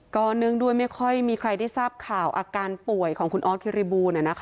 เนื่องด้วยไม่ค่อยมีใครได้ทราบข่าวอาการป่วยของคุณออสคิริบูล